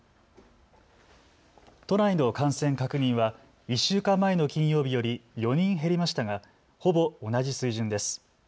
都内の感染確認は１週間前の金曜日より４人減りましたがほぼ同じ水準です。